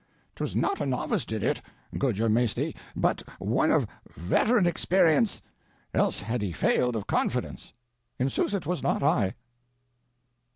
'Twas not a novice did it, good your maisty, but one of veteran experience else hadde he failed of confidence. In sooth it was not I.